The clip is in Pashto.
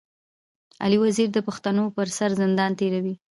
علي وزير د پښتنو پر سر زندان تېروي.